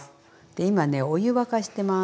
今ねお湯沸かしてます。